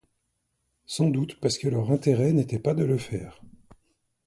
Sans doute parce que leur intérêt n’était pas de le faire